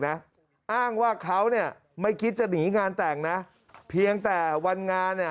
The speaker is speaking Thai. อ้างว่าเขาเนี่ยไม่คิดจะหนีงานแต่งนะเพียงแต่วันงานเนี่ย